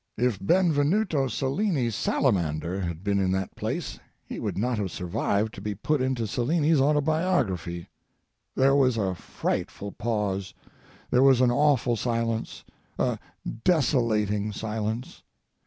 If Benvenuto Cellini's salamander had been in that place he would not have survived to be put into Cellini's autobiography. There was a frightful pause. There was an awful silence, a desolating silence.